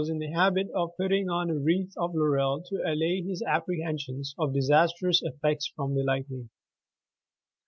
in the habit of putting on a wreath of laurel to allay his ap prehensions of disastrous effects from the lightning.